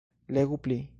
Legu pli.